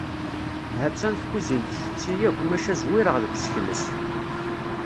Ha-tt-an tkuzint tetti akk maca zwireɣ deg usekles.